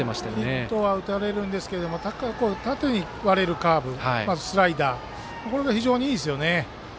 ヒットは打たれるんですが縦に割れるカーブスライダー、これが非常にいいですよね。